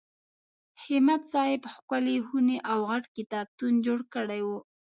همت صاحب ښکلې خونې او غټ کتابتون جوړ کړی و.